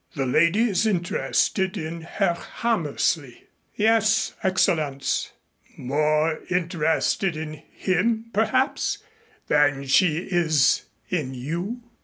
"The lady is interested in Herr Hammersley?" "Yes, Excellenz." "More interested in him, perhaps, than she is in you?"